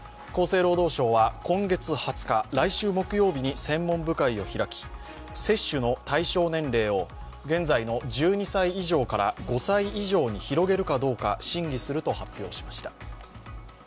厚生労働省は今月２０日、来週木曜日に専門部会を開き、接種の対象年齢を現在の１２歳以上から５歳以上に広げるかどうか審議すると発表しました。